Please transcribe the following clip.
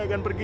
ya kan pak